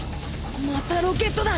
またロケット団。